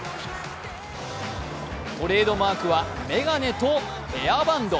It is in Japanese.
トレードマークは眼鏡とヘアバンド。